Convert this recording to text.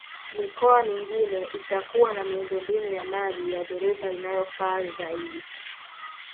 Mikoa mingine itakuwa na miundombinu ya maji ya dhoruba inayofaa zaidi